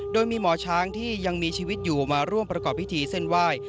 โดยมีหมอช้างที่ยังมีชีวิตอยู่มาร่วมประกอบพิธีเส้นไหว้